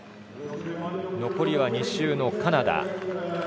残りは２周のカナダ。